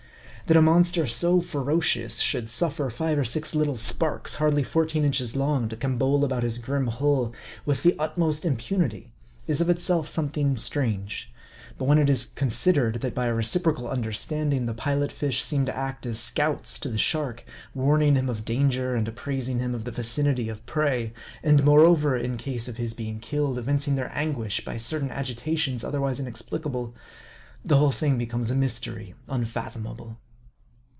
That a monster so ferocious, should suffer five or six little, sparks, hardly fourteen inches long, to gambol about his grim hull with the utmost impu nity, is of itself something strange. But when it is con sidered, that by a reciprocal understanding, the Pilot fish seem to act as scouts to the shark, warning him of danger, and apprising him of the vicinity of prey ; and moreover, in case of his being killed, evincing their anguish by certain agitations, otherwise inexplicable ; the whole thing becomes a mystery unfathomable.